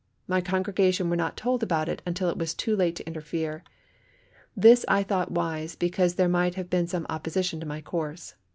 My congregation were not told about it until it was too late to interfere. This I thought wise because there might have been some opposition to my course.